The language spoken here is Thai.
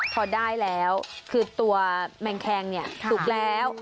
พอได้แล้วคือตัวแมงแคงเนี่ยสุกแล้ว